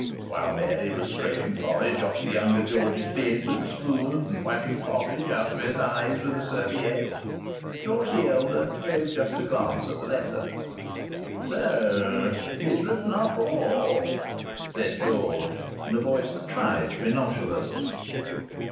While Mary was scraping porridge off the younger George's bib with a spoon, and wiping porridge out of his eyes with a serviette, George the elder gave just a glance at the letter. "So he has written after all!" said George, in a voice that tried to be nonchalant.